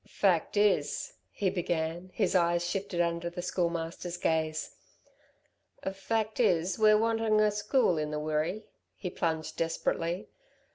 "Fact is," he began, his eyes shifted under the Schoolmaster's gaze. "Fact is we're wanting a school in the Wirree," he plunged desperately.